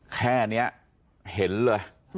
แค่นี้เห็นเลย